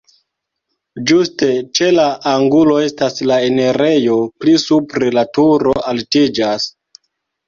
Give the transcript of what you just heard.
Ĝuste ĉe la angulo estas la enirejo, pli supre la turo altiĝas.